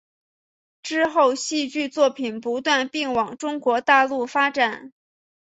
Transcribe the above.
之后戏剧作品不断并往中国大陆发展。